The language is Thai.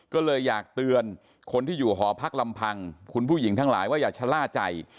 ก็เลยอยากเตือนคนที่อยู่หอพักลำพังคุณผู้หญิงทั้งหลายว่าอย่าชะล่าใจ